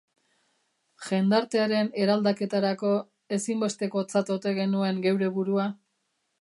Jendartearen eraldaketarako ezinbestekotzat ote genuen geure burua?